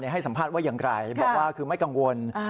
ให้สัมภาษณ์ว่าอย่างไรบอกว่าคือไม่กังวล